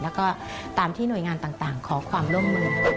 แล้วก็ตามที่หน่วยงานต่างขอความร่วมมือ